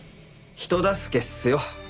人助けっすよ。